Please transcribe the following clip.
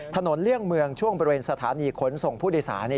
เลี่ยงเมืองช่วงบริเวณสถานีขนส่งผู้โดยสาร